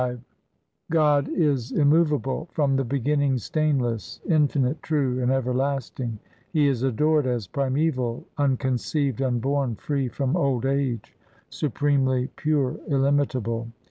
316 THE SIKH RELIGION V God is immovable, from the beginning, stainless, in finite, true, and everlasting. He is adored as primaeval, unconceived, unborn, free from old age, supremely pure, illimitable.